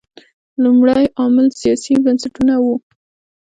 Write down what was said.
لومړی عامل سیاسي بنسټونه وو.